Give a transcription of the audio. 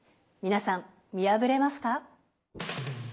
皆さん見破れますか？